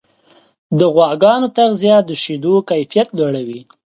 د غواګانو تغذیه د شیدو کیفیت لوړوي.